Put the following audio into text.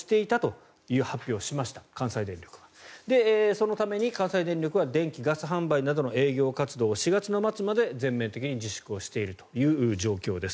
そのために関西電力は電気・ガス販売などの営業活動を４月の末まで全面的に自粛しているという状況です。